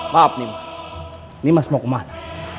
maaf nimas nimas mau kemana